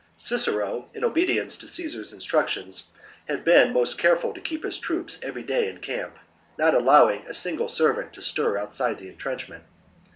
36. Cicero, in obedience to Caesar's instruc tions, had been most careful to keep his troops every day in camp, not even allowing a single servant to stir outside the entrenchment.